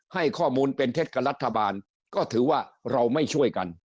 ให้ข้อมูลเป็นเท็จกับรัฐบาลก็ถือว่าเราไม่ช่วยกัน